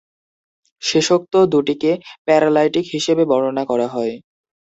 শেষোক্ত দুটিকে "প্যারালাইটিক" হিসেবে বর্ণনা করা হয়।